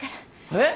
えっ？